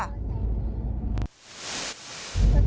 ขอโทษครับแม่